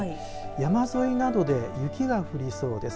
山沿いなどで雪が降りそうです。